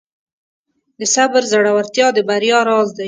د صبر زړورتیا د بریا راز دی.